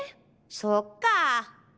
そっか。